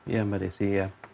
iya mbak desi